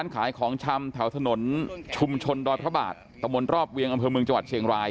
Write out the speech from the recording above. เป็นเหตุการณ์เกิดขึ้นภา